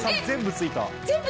全部ついた！